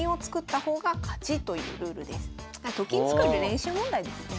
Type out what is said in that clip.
と金作る練習問題ですね。